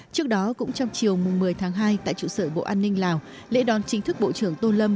trước đó cũng trong chiều một mươi tháng hai tại trụ sở bộ an ninh lào lễ đón chính thức bộ trưởng tô lâm